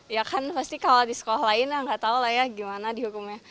ya kan pasti kalau di sekolah lain ya enggak tahu lah ya gimana di hukumnya